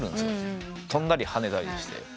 跳んだり跳ねたりして。